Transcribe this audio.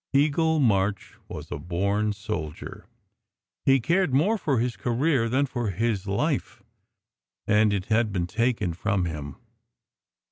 Eagle March was a born soldier. He cared more for his career than for his life, and it had been taken from him.